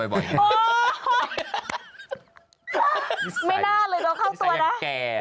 ไม่น่าเลยโดนเข้าตัวนะ